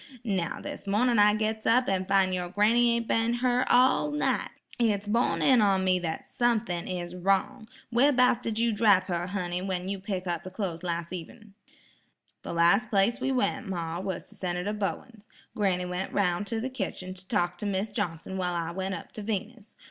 Now, this mornin' I gits up an fin' yer granny ain't been her all night. It's borne in on me that sumthin' is wrong. Where 'bouts did you drap her, honey, when you picked the clos' up las' evenin'?" "The last place we went, ma, was to Senator Bowens. Granny went roun' to the kitchen to talk to Mis' Johnson while I went up to Venus.